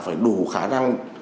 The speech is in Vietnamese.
phải đủ khả năng